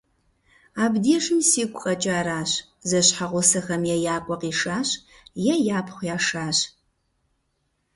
Абдежым сигу къэкӀаращ: зэщхьэгъусэхэм е я къуэ къишащ, е япхъу яшащ.